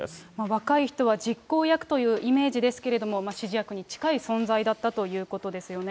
若い人は実行役というイメージですけれども、指示役に近い存在だったということですよね。